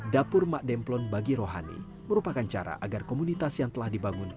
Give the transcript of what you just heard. dapur mak demplon bagi rohani merupakan cara agar komunitas yang telah dibangun